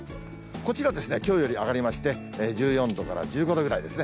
こちら、きょうより上がりまして、１４度から１５度ぐらいですね。